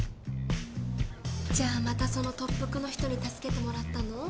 じゃあまたその特服の人に助けてもらったの？